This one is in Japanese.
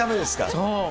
そう。